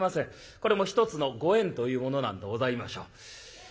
これも一つのご縁というものなんでございましょう。